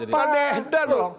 padahal udah dong